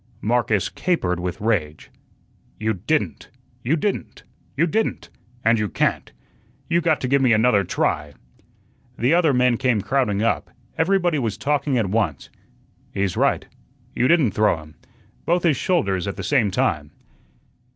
Marcus capered with rage. "You didn't! you didn't! you didn't! and you can't! You got to give me another try." The other men came crowding up. Everybody was talking at once. "He's right." "You didn't throw him." "Both his shoulders at the same time."